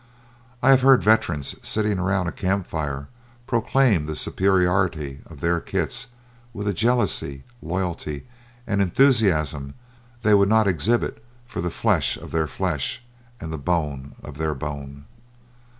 I have heard veterans sitting around a camp fire proclaim the superiority of their kits with a jealousy, loyalty, and enthusiasm they would not exhibit for the flesh of their flesh and the bone of their bone.